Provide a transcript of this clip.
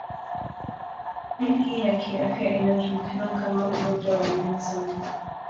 Hali hii ya kiafya inajulikana kama ugonjwa wa Nelson.